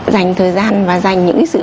dành thời gian và dành những sự